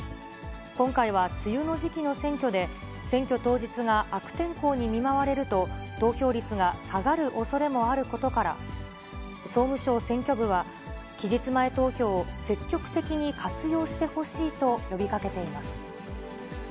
今回は梅雨の時期の選挙で、選挙当日が悪天候に見舞われると、投票率が下がるおそれもあることから、総務省選挙部は、期日前投票を積極的に活用してほしいと呼びかけています。